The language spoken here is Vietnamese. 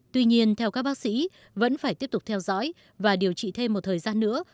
tuy nhiên theo các bác sĩ vẫn phải tiếp tục theo dõi và điều trị thêm một thời gian nữa